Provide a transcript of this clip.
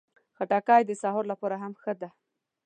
خټکی د سهار لپاره هم ښه ده.